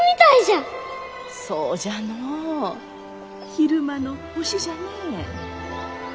昼間の星じゃね。